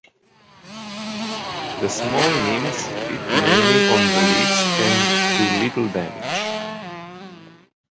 The small nymphs feed mainly on the leaves and do little damage.